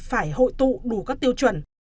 phải hội tụ đủ các tiêu chuẩn